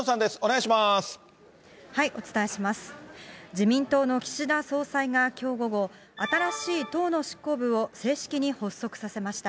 自民党の岸田総裁がきょう午後、新しい党の執行部を正式に発足させました。